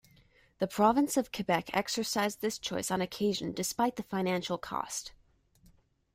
The province of Quebec exercised this choice on occasion despite the financial cost.